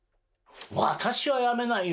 私は辞めないよ。